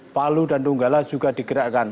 palu dan donggala juga digerakkan